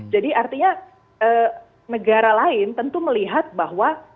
jadi artinya negara lain tentu melihat bahwa